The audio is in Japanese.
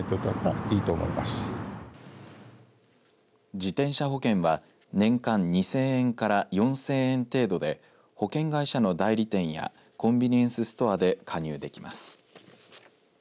自転車保険は年間２０００円から４０００円程度で保険会社の代理店やコンビニエンスストアで加入できます。